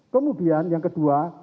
kemudian yang kedua